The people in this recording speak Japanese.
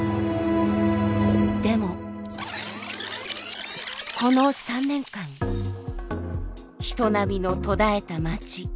でもこの３年間人波の途絶えた街。